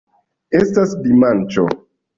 Estas dimanĉo.